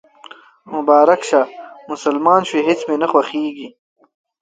مبارک شه، مسلمان شوېهیڅ مې نه خوښیږي